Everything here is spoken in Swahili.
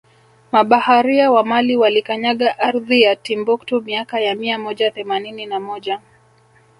Mabaharia wa Mali walikanyaga ardhi ya Timbuktu miaka ya mia moja themanini na moja